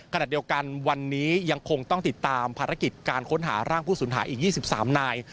ขณะเดียวกันวันนี้ยังคงต้องติดตามภารกิจการค้นหาร่างผู้สูญหายอีก๒๓นาย